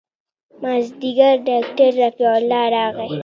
مازديګر ډاکتر رفيع الله راغى.